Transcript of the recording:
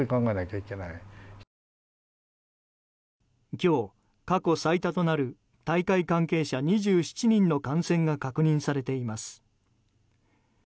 今日、過去最多となる大会関係者２７人の感染が確認されています。